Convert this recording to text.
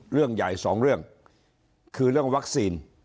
เรื่องใหญ่สองเรื่องคือเรื่องวัคซีน